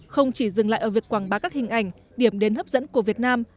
không chỉ dừng lại ở việc quảng bá các hình ảnh điểm đến hấp dẫn của việt nam